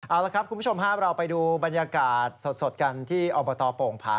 เอาละครับคุณผู้ชมครับเราไปดูบรรยากาศสดกันที่อบตโป่งผา